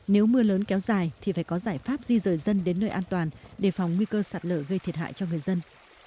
nếu mưa lớn kéo dài thì phải có giải pháp di rời dân đến nơi an toàn đề phòng nguy cơ sạt lở gây thiệt hại cho người dân